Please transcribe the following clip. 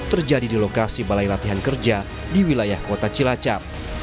terjadi di lokasi balai latihan kerja di wilayah kota cilacap